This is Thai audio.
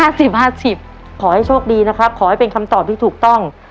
ขอให้โชคดีนะครับขอให้เป็นคำตอบที่ถูกต้อง